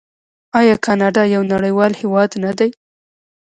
آیا کاناډا یو نړیوال هیواد نه دی؟